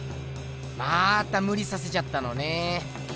またむりさせちゃったのね。